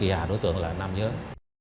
và đối tượng là nam giới